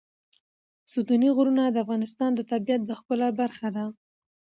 ستوني غرونه د افغانستان د طبیعت د ښکلا برخه ده.